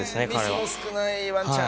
ミスの少ないワンちゃん。